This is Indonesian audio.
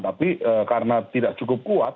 tapi karena tidak cukup kuat